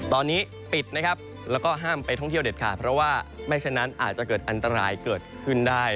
ตอนนี้ปิดนะครับแล้วก็ห้ามไปท่องเที่ยวเด็ดขาดเพราะว่าไม่ฉะนั้นอาจจะเกิดอันตรายเกิดขึ้นได้